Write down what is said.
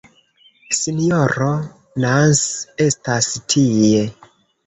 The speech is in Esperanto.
Sinjoro Nans estas tie.